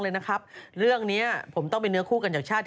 โอลี่คัมรี่ยากที่ใครจะตามทันโอลี่คัมรี่ยากที่ใครจะตามทัน